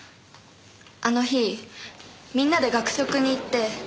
あの日みんなで学食に行って。